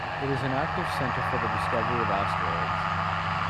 It is an active center for the discovery of asteroids.